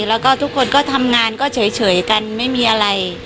แล้วก็ทุกคนก็ทำงานก็เฉยกันไม่มีอะไร